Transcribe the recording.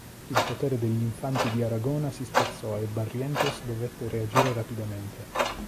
Il potere degli infanti di Aragona si spezzò e Barrientos dovette reagire rapidamente.